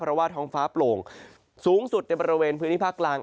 เพราะว่าท้องฟ้าโปร่งสูงสุดในบริเวณพื้นที่ภาคกลาง